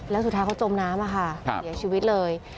แล้วสุดท้ายเขาจมน้ำค่ะเสียชีวิตเลย